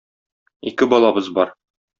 Ике балабыз бар.